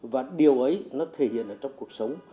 và điều ấy nó thể hiện ở trong cuộc sống